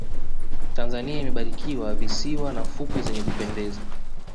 tanzania imebarikiwa visiwa na fukwe zenye kupendeza